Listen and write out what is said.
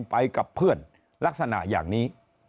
ไปกับเพื่อนลักษณะอย่างนี้